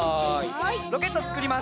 ロケットつくりますよ。